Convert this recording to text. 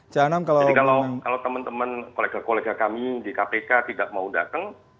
jadi kalau teman teman kolega kolega kami di kpk tidak mau datang